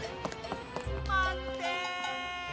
まって！